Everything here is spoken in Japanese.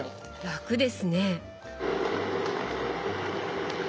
楽ですね！